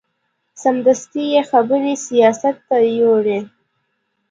سمدستي یې خبرې سیاست ته یوړې.